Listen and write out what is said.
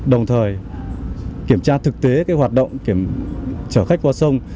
đồng thời kiểm tra thực tế hoạt động kiểm khách qua sông